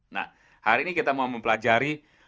nah hari ini kita mau mempelajari